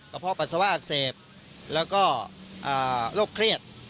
เพาะปัสสาวะอักเสบแล้วก็โรคเครียด